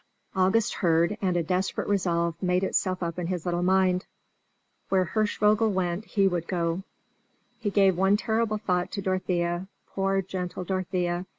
August heard, and a desperate resolve made itself up in his little mind. Where Hirschvogel went would he go. He gave one terrible thought to Dorothea poor, gentle Dorothea!